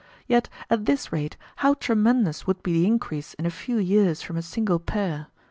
Yet at this rate how tremendous would be the increase in a few years from a single pair!